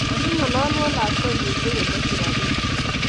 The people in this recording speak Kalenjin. ole ngalalwo lakwenyu ko ye mache rabinik